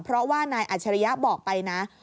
เพราะว่านายอัจฉริยะบอกไปนะ